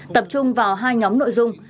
tập trung vào hai nhóm nội dung